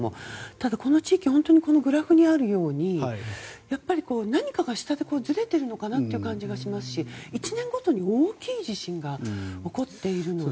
ただ、この地域グラフにあるように何かが下でずれてるのかなという感じがしますし１年ごとに大きい地震が起こっているので。